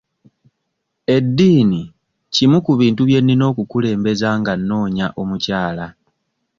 Eddiini kimu ku bintu bye nnina okukulembeza nga nnoonya omukyala.